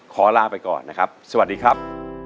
ขอลาไปก่อนนะครับสวัสดีครับ